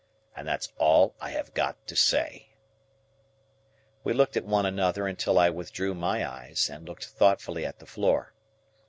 And that's all I have got to say." We looked at one another until I withdrew my eyes, and looked thoughtfully at the floor.